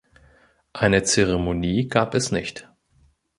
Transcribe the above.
Eine Zeremonie gab es nicht.